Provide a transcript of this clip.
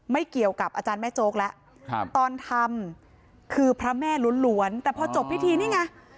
ไม่เกี่ยวกับอาจารย์แม่โจ๊กแล้วตอนทำคือพระแม่ล้วนแต่พอจบพิธีนี่ไง